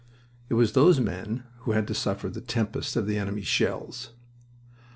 It was those men who had to suffer the tempest of the enemy's shells.